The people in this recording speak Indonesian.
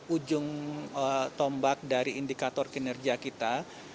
ujung tombak dari indikator kinerja kita